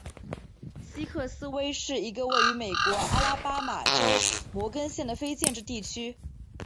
西克斯威是一个位于美国阿拉巴马州摩根县的非建制地区。